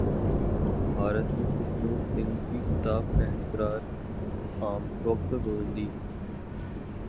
بھارت میں خشونت سنگھ کی کتاب فحش قرار عام فروخت پر پابندی